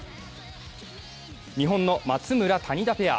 日本の松村・谷田ペア。